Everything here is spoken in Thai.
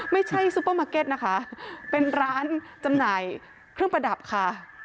ซูเปอร์มาร์เก็ตนะคะเป็นร้านจำหน่ายเครื่องประดับค่ะ